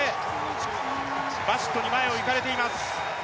バシットに前を行かれています。